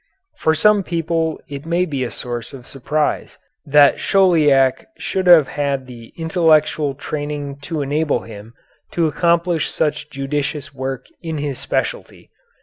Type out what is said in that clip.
For some people it may be a source of surprise that Chauliac should have had the intellectual training to enable him to accomplish such judicious work in his specialty.